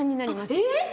えっ！？